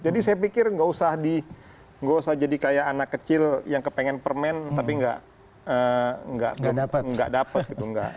jadi saya pikir gak usah jadi kayak anak kecil yang kepengen permen tapi gak dapat gitu